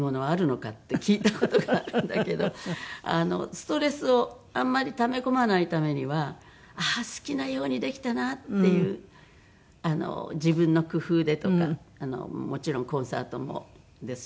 ストレスをあんまりため込まないためには好きなようにできたなっていう自分の工夫でとかもちろんコンサートもですし。